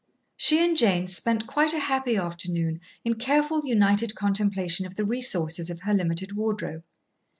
She and Jane spent quite a happy afternoon in careful united contemplation of the resources of her limited wardrobe.